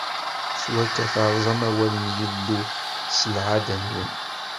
S wakka, terẓam awal n Yillu s lɛadda-nwen.